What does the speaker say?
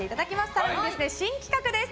更に新企画です。